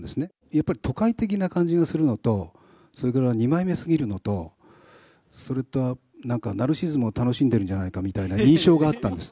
やっぱり都会的な感じがするのと、それから二枚目すぎるのと、それと、なんか、ナルシシズムを楽しんでるんじゃないかっていう印象があったんです。